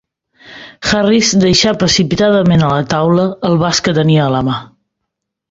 Harris deixà precipitadament a la taula el vas que tenia a la mà.